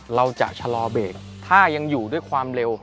เราจะชะลอเบรกถ้ายังอยู่ด้วยความเร็ว